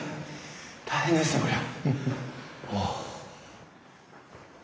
大変ですねこりゃ。